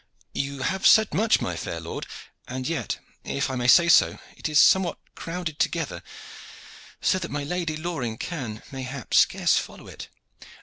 "You have said much, my fair lord; and yet, if I may say so, it is somewhat crowded together, so that my Lady Loring can, mayhap, scarce follow it.